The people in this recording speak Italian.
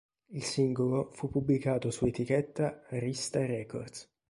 Il singolo fu pubblicato su etichetta Arista Records.